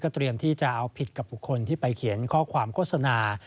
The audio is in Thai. เตรียมที่จะเอาผิดกับบุคคลที่ไปเขียนข้อความโฆษณา